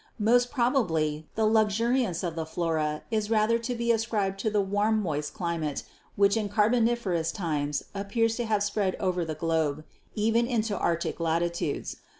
Most probably the luxuri ance of the flora is rather to be ascribed to the warm moist climate which in Carboniferous times appears to have spread over the globe even into Arctic latitudes.